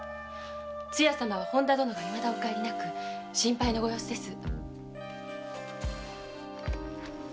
つや様は本田殿がいまだお帰りなく心配のご様子です。